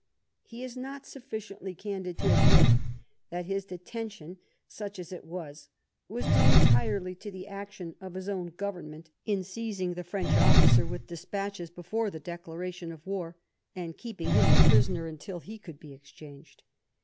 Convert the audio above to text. He is not sufficiently candid to admit that his detention, such as it was, was due entirely to the action of his own Govern ment in seizing the French oflScer with despatches before the declaration of war, and keeping him a prisoner until he could be exchanged.